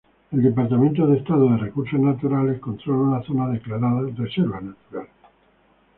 El Departamento de Estado de Recursos Naturales controla una zona declarada reserva natural.